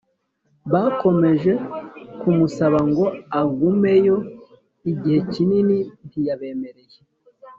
bakomeje kumusaba ngo agumeyo igihe kinini ntiyabemereye